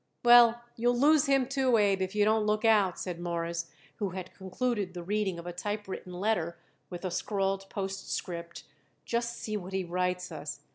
"Well, you'll lose him, too, Abe, if you don't look out," said Morris, who had concluded the reading of a typewritten letter with a scrawled postscript. "Just see what he writes us."